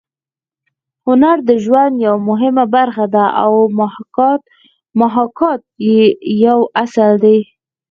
هنر د ژوند یوه مهمه برخه ده او محاکات یې یو اصل دی